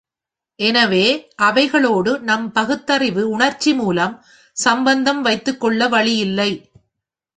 எனவே, அவைகளோடு நம் பகுத்தறிவு உணர்ச்சி மூலம் சம்பந்தம் வைத்துக்கொள்ள வழியில்லை.